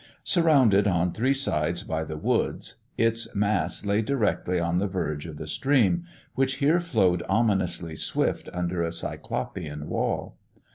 Surrounded on three sides by the woods, its mass lay directly on the verge of the stream, which here flowed ominously swift under a Cyclopean wall.